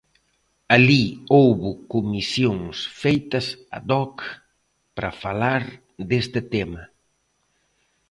Alí houbo comisións feitas ad hoc para falar deste tema.